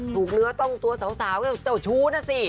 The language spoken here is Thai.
ถูกเนื้อต้องตัวสาวเจ้าชูนะสิ